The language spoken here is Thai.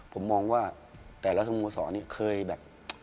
ผมมองว่าแต่ละสมมุติศาสตร์นี่เคยแบบ